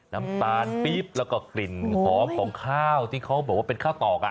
น้ำตาลปี๊บแล้วก็กลิ่นหอมของข้าวที่เขาบอกว่าเป็นข้าวตอกกัน